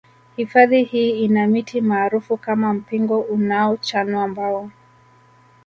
Hifadhi hii ina miti maarufu kama mpingo unaochanwa mbao